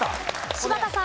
柴田さん。